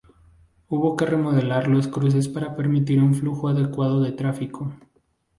Hubo que remodelar los cruces para permitir un flujo adecuado de tráfico.